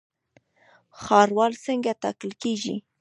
ښاروال څنګه ټاکل کیږي؟